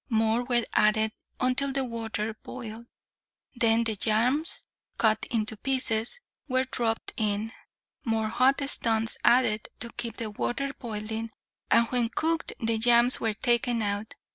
More were added until the water boiled. Then the yams, cut into pieces, were dropped in, more hot stones added to keep the water boiling, and when cooked, the yams were taken out.